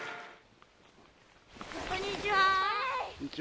こんにちは。